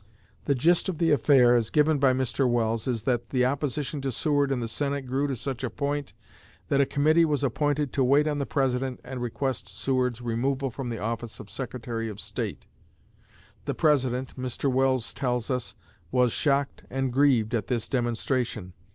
The gist of the affair, as given by Mr. Welles, is that the opposition to Seward in the Senate grew to such a point that a committee was appointed to wait on the President and request Seward's removal from the office of Secretary of State. The President, Mr. Welles tells us, was "shocked and grieved" at this demonstration.